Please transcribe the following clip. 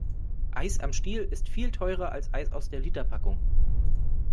Eis am Stiel ist viel teurer als Eis aus der Literpackung.